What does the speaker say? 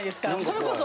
それこそ。